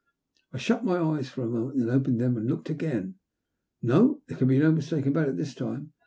I shut my eyes for a moment, then opened them, and looked again. No, there could be no mistake about it this time.